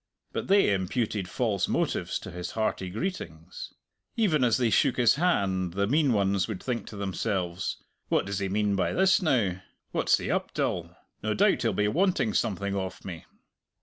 But they imputed false motives to his hearty greetings. Even as they shook his hand the mean ones would think to themselves: "What does he mean by this now? What's he up till? No doubt he'll be wanting something off me!"